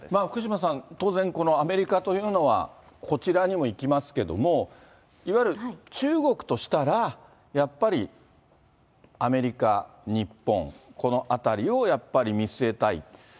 福島さん、当然、アメリカというのは、こちらにも行きますけれども、いわゆる、中国としたら、やっぱりアメリカ、日本、このあたりをやっぱり見据えたい。